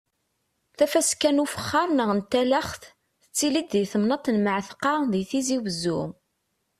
Tafaska n ufexxaṛ neɣ n talaxt tettili-d di temnaḍt n Mɛatqa di Tizi Wezzu.